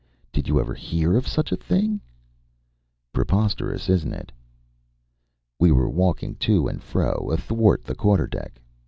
Did you ever hear of such a thing?" "Preposterous isn't it?" We were walking to and fro athwart the quarter deck.